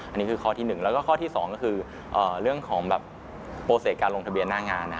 อันนี้คือข้อที่๑แล้วก็ข้อที่๒ก็คือเรื่องของแบบโปรเซตการลงทะเบียนหน้างาน